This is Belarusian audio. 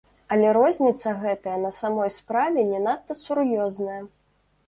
Але розніца гэтая на самой справе не надта сур'ёзная.